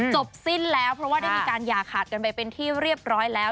จบสิ้นแล้วเพราะว่าได้มีการอย่าขาดกันไปเป็นที่เรียบร้อยแล้ว